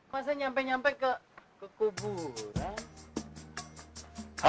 masa nyampe nyampe ke kuburan